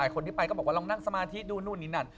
คนที่ไปก็บอกว่าลองนั่งสมาธิดูนู่นนี่นั่น